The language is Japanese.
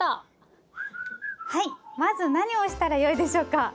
はいまず何をしたらよいでしょうか？